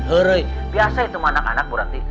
hore biasa itu sama anak anak buranti